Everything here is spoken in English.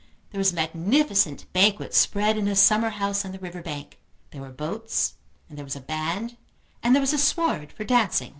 There was a magnificent banquet spread in a summer house on the river bank. There were boats, and there was a band, and there was a sward for dancing.